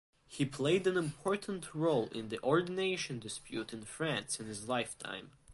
He played an important role in the ordination dispute in France in his lifetime.